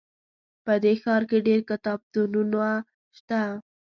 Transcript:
په دې ښار کې ډېر کتابتونونه شته